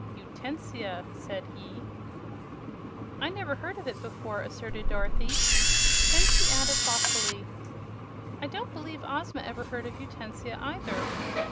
"Utensia," said he. "I never heard of it before," asserted Dorothy. Then she added thoughtfully, "I don't believe Ozma ever heard of Utensia, either.